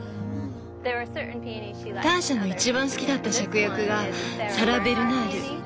ターシャの一番好きだったシャクヤクがサラベルナール。